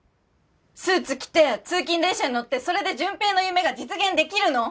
スーツ着て通勤電車に乗ってそれで純平の夢が実現できるの？